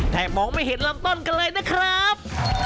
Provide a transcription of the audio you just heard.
มองไม่เห็นลำต้นกันเลยนะครับ